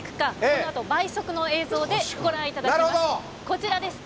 こちらです。